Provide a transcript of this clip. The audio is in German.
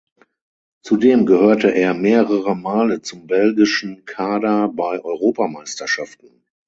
Zudem gehörte er mehrere Male zum belgischen Kader bei Europameisterschaften.